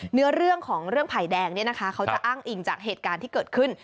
เนื้อเรื่องของเรื่องไผ่แดงเนี่ยนะคะเขาจะอ้างอิงจากเหตุการณ์ที่เกิดขึ้น